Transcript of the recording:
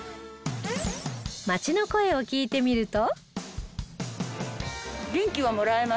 街の声を聞いてみると